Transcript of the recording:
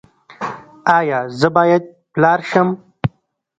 ایا زه باید پلار شم؟